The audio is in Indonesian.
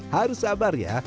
harus sabar ya